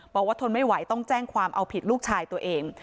ทนไม่ไหวต้องแจ้งความเอาผิดลูกชายตัวเอง